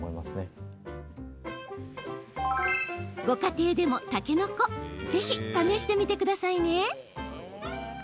ご家庭でもたけのこ是非試してみてくださいね。